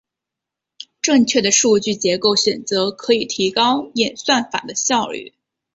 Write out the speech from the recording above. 正确的数据结构选择可以提高演算法的效率。